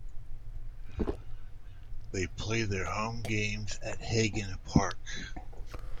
They play their home games at Hagan Park.